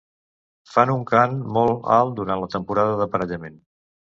Fan un cant molt alt durant la temporada d'aparellament.